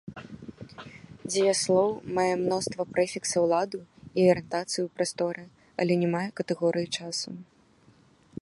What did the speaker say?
Дзеяслоў мае мноства прэфіксаў ладу і арыентацыі ў прасторы, але не мае катэгорыі часу.